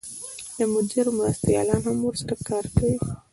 د مدیر مرستیالان هم ورسره کار کوي.